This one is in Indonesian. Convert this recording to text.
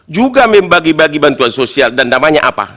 juga membagi bagi bantuan sosial dan damanya apa